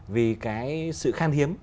vì cái sự khan hiếm